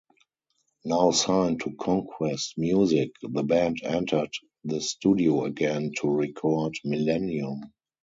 Now signed to Conquest Music, the band entered the studio again to record "Millennium".